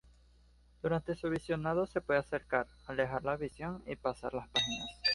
Durante su visionado se puede acercar, alejar la visión y pasar páginas.